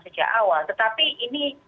sejak awal tetapi ini